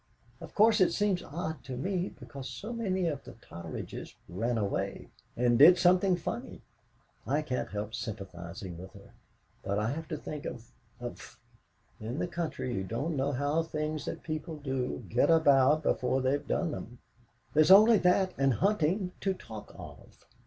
Of course, it seems odd to me, because so many of the Totteridges ran away, or did something funny. I can't help sympathising with her, but I have to think of of In the country, you don't know how things that people do get about before they've done them! There's only that and hunting to talk of."